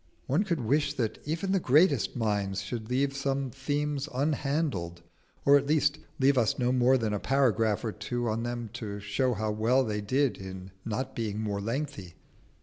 One could wish that even the greatest minds should leave some themes unhandled, or at least leave us no more than a paragraph or two on them to show how well they did in not being more lengthy.